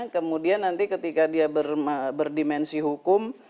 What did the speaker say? kemudian nanti ketika dia berdimensi hukum